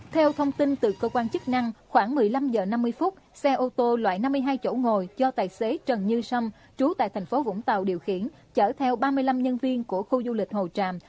theo thông tin từ cơ quan chức năng khoảng một mươi năm h năm mươi xe ô tô loại năm mươi hai chỗ ngồi do tài xế trần như sâm trú tại thành phố vũng tàu điều khiển chở theo ba mươi năm nhân viên của khu du lịch hồ tràm